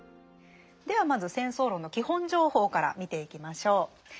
ではまず「戦争論」の基本情報から見ていきましょう。